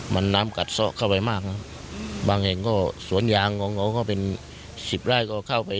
มันน้ำกัดซ่อเข้าไปมากนะบางแห่งก็สวนยางของเขาก็เป็นสิบไร่ก็เข้าไป